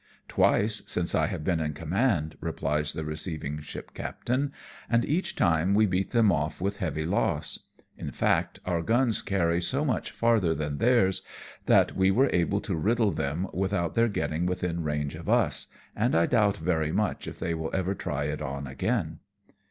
" Twice since I have been in command," replies the receiving ship captain, " and each time we beat them off with heavy loss ; in fact, our guns carry so much farther than theirs, that we were able to riddle them without their getting within range of us, and I doubt very much if they will ever try it on again."